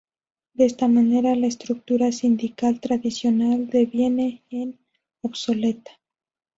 De esta manera, la estructura sindical tradicional deviene en obsoleta.